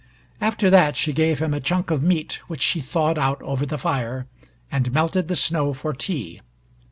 After that she gave him a chunk of meat which she thawed out over the fire, and melted the snow for tea.